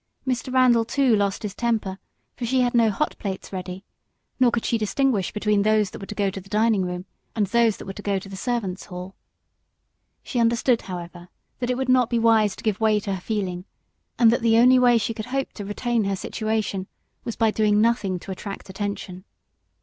Mr. Randal, too, lost his temper, for she had no hot plates ready, nor could she distinguish between those that were to go to the dining room and those that were to go to the servants' hall. She understood, however, that it would not be wise to give way to her feeling, and that the only way she could hope to retain her situation was by doing nothing to attract attention.